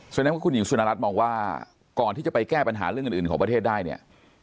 ส่วนแรกคุณสุนรัตน์บอกว่าก่อนที่จะไปแก้ปัญหาเรื่องอื่นของประเทศได้เนี่ย